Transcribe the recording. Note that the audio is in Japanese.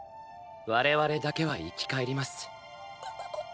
我々だけは生き返ります。